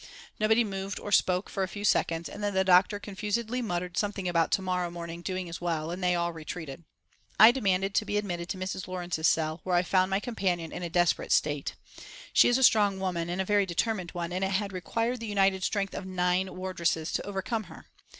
Nobody moved or spoke for a few seconds, and then the doctor confusedly muttered something about to morrow morning doing as well, and they all retreated. I demanded to be admitted to Mrs. Lawrence's cell, where I found my companion in a desperate state. She is a strong woman, and a very determined one, and it had required the united strength of nine wardresses to overcome her.